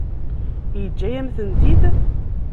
Yeǧǧa-yam-tent-id?